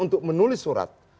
untuk menulis surat